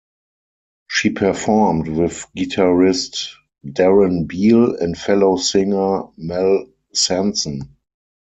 She performed with guitarist Darren Beale and fellow singer Mel Sanson.